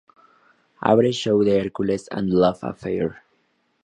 Abre show de Hercules and Love Affair.